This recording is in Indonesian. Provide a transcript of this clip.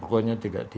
pokoknya tidak di